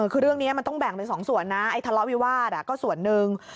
คือเรื่องนี้มันต้องแบ่งเป็น๒ส่วนนะไอ้ทะเลาะวิวาสก็ส่วนหนึ่ง